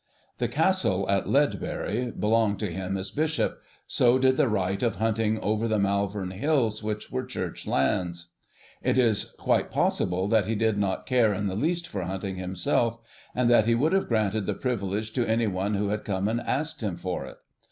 The Castle at Ledbury belonged to him as Bishop, so did the right of hunting over the Malvern Hills, which were Church lands. It is quite possible that he did not care in the least for hunting himself, and that he would have granted the privilege to anyone who had come and asked him for it.